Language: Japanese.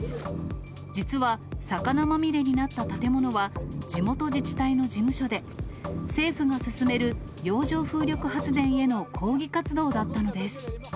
実は、魚まみれになった建物は、地元自治体の事務所で、政府が進める洋上風力発電への抗議活動だったのです。